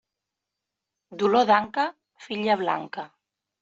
Dolor d'anca, filla blanca.